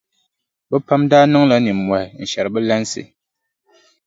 Bɛ pam daa niŋla nimmɔhi n-shɛri bɛ lansi.